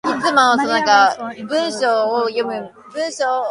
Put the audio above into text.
Maria was born in Queluz, Portugal.